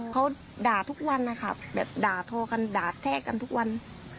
เค้าด่าทุกวันด่าแท้กันทุกวัน